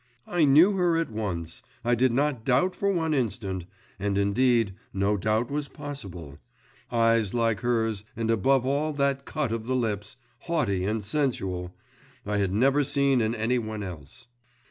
I knew her at once, I did not doubt for one instant, and indeed no doubt was possible; eyes like hers, and above all that cut of the lips haughty and sensual I had never seen in any one else.